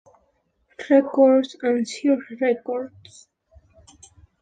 Records y Sire Records.